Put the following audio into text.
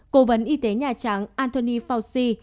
cố vấn y tế nhà trắng anthony fauci